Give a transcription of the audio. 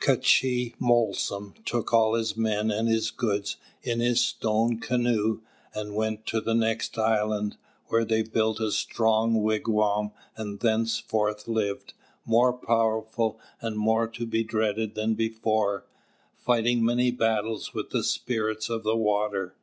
K'chī Molsom took all his men and his goods in his stone canoe, and went to the next island, where they built a strong wigwam and thenceforth lived, more powerful and more to be dreaded than before, fighting many battles with the spirits of the water.